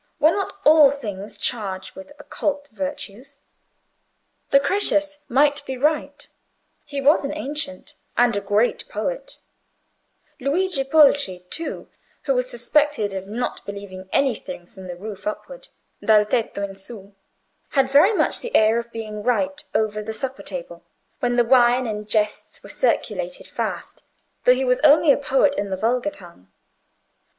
Were not all things charged with occult virtues? Lucretius might be right—he was an ancient, and a great poet; Luigi Pulci, too, who was suspected of not believing anything from the roof upward (dal tetto in su), had very much the air of being right over the supper table, when the wine and jests were circulating fast, though he was only a poet in the vulgar tongue.